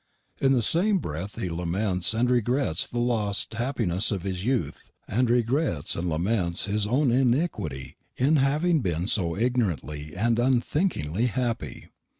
In the same breath he laments and regrets the lost happiness of his youth, and regrets and laments his own iniquity in having been so ignorantly and unthinkingly happy.